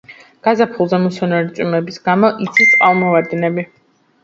გაზაფხულზე, მუსონური წვიმების გამო, იცის წყალმოვარდნები.